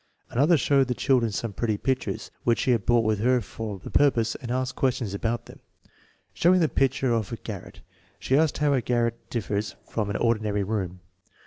Another showed I he children some pretly pictures, which she had brought with her for the purpose, and asked questions about them. Showing the picture of a garret, she asked how a garret differs from an ordinary room.